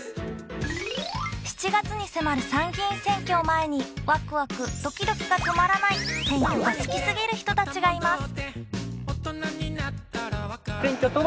７月に迫る参議院選挙を前にワクワクドキドキが止まらない選挙が好きすぎる人たちがいます。